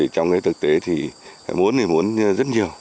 trong cái thực tế thì muốn thì muốn rất nhiều